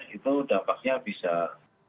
itu dampaknya bisa menurut saya bisa sampai